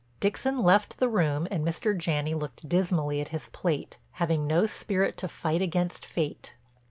Dixon left the room and Mr. Janney looked dismally at his plate, having no spirit to fight against fate.